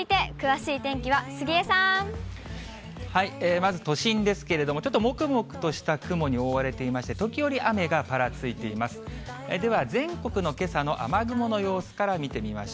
まず都心ですけれども、ちょっともくもくとした雲に覆われていまして、時折雨がぱらついています。